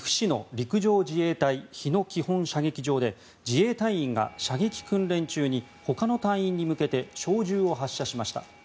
陸上自衛隊日野基本射撃場で自衛隊員が射撃訓練中にほかの隊員に向けて小銃を発射しました。